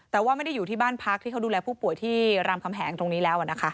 แต่ว่าไม่ได้อยู่ที่บ้านพักที่เขาดูแลผู้ป่วยที่รามคำแหงตรงนี้แล้วนะคะ